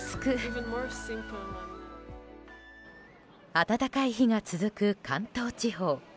暖かい日が続く関東地方。